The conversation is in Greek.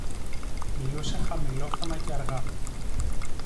Μιλούσε χαμηλόφωνα και αργά